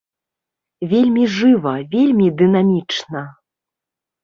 Вельмі жыва, вельмі дынамічна!